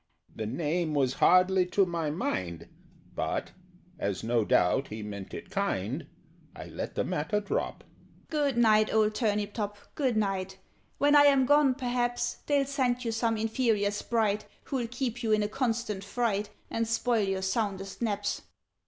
The name was hardly to my mind, But, as no doubt he meant it kind, I let the matter drop. "Good night, old Turnip top, good night! When I am gone, perhaps They'll send you some inferior Sprite, Who'll keep you in a constant fright And spoil your soundest naps.